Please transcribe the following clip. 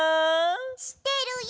してるよ！